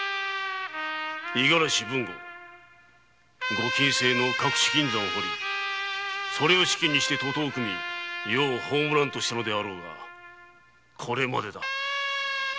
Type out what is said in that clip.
ご禁制の隠し金山を掘りそれを資金にして徒党を組み余を葬らんとしたのであろうがこれまでだ！